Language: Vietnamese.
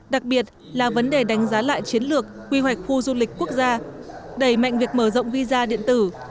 đặc biệt là vấn đề đánh giá lại chiến lược quy hoạch khu du lịch quốc gia đẩy mạnh việc mở rộng visa điện tử